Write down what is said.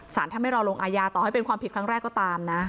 ท่านไม่รอลงอายาต่อให้เป็นความผิดครั้งแรกก็ตามนะ